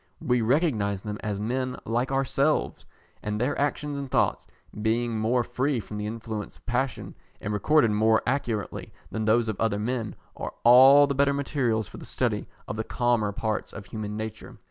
We recognise them as men like ourselves, and their actions and thoughts, being more free from the influence of passion, and recorded more accurately than those of other men, are all the better materials for the study of the calmer parts of human nature.